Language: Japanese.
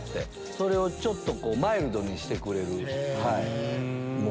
それをちょっとマイルドにしてくれる。